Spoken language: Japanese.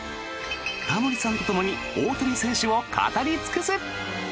タモリさんとともに大谷選手を語り尽くす！